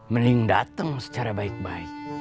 mending datang secara baik baik